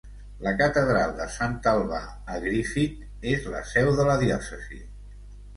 La catedral de Sant Albà a Griffith és la seu de la diòcesi.